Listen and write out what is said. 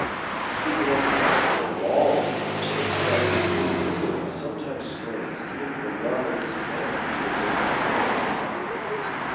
He is the most likable of all the types but his indolence sometimes strains even the love of his family to the breaking point.